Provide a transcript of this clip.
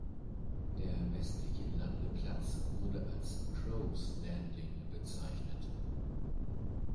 Der westliche Landeplatz wurde als "„Crow’s Landing“" bezeichnet.